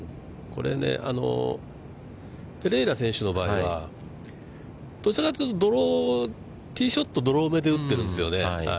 これね、ペレイラ選手の場合は、どちらかというと、ティーショットをドローめで打っているんですよね。